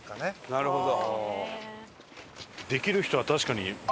なるほど。